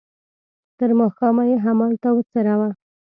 تر ماښامه یې همالته وڅروه.